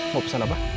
mau pesan apa